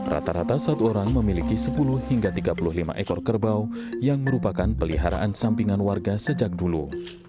rata rata satu orang memiliki sepuluh hingga tiga puluh lima ekor kerbau yang merupakan peliharaan sampingan warga sejak dulu